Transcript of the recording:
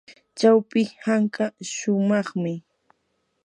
chawpi hanka shumaqmi.